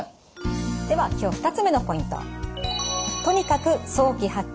では今日２つ目のポイント。